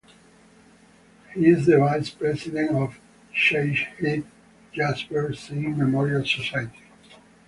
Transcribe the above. He is the vice-president of Shaheed Jasbir Singh Memorial Society.